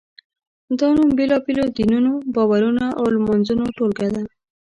دا نوم بېلابېلو دینونو، باورونو او لمانځنو ټولګه ده.